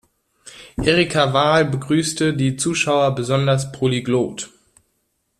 Erica Vaal begrüßte die Zuschauer besonders polyglott.